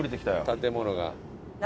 建物が。